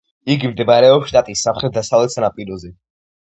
იგი მდებარეობს შტატის სამხრეთ-დასავლეთ სანაპიროზე.